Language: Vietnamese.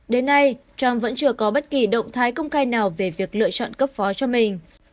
đến nay trump vẫn chưa có bất kỳ động thái công khai nào về việc lựa chọn cấp phó cho mình